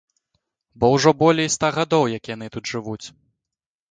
Бо ўжо болей ста гадоў, як яны тут жывуць.